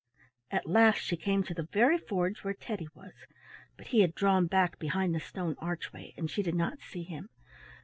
At last she came to the very forge where Teddy was, but he had drawn back behind the stone archway and she did not see him.